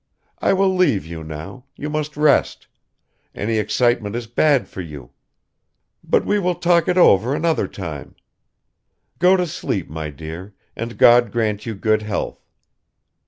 I will leave you now; you must rest; any excitement is bad for you ... But we will talk it over another time. Go to sleep, my dear, and God grant you good health!"